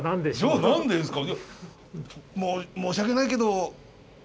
じゃあ何ですか？